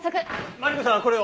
マリコさんはこれを。